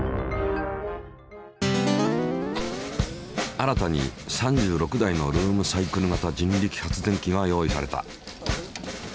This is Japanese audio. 新たに３６台のルームサイクル型人力発電機が用意された。